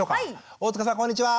大塚さんこんにちは！